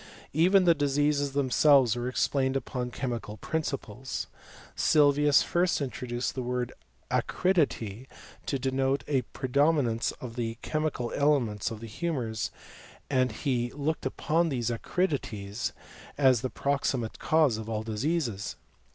Even the diseases themselves were ex plained upon chemical principles. Sylvius first intro duced the word acridity to denote a predominance of the chemical elements of the humours, and he looked upon these acridities as the proximate cause of all diseases.